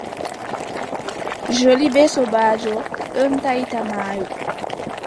Joli bee sobaajo ɗon tahita maayo.